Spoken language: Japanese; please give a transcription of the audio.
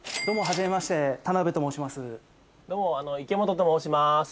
どうもはじめまして田名部と申します。